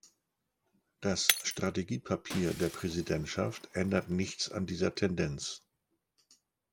Das Strategiepapier der Präsidentschaft ändert nichts an dieser Tendenz.